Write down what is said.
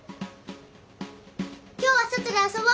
今日は外で遊ぼ。